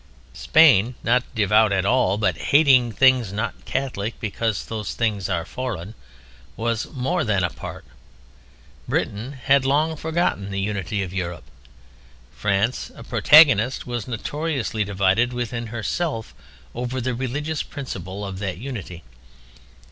Spain, not devout at all, but hating things not Catholic because those things are foreign, was more than apart. Britain had long forgotten the unity of Europe. France, a protagonist, was notoriously divided within herself over the religious principle of that unity.